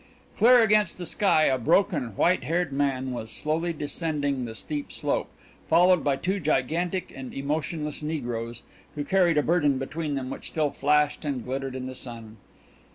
Clear against the sky a broken, white haired man was slowly descending the steep slope, followed by two gigantic and emotionless negroes, who carried a burden between them which still flashed and glittered in the sun.